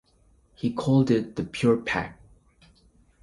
He called it the Pure-Pak.